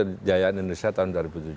menuju ke jayaan indonesia tahun dua ribu tujuh